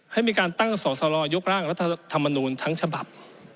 ให้มีการตั้งสอสรยกร่างรัฐธรรมนูลทั้งฉบับ